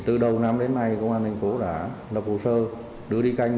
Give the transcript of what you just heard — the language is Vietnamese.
từ đầu năm đến nay công an thành phố đã lập hồ sơ đưa đi canh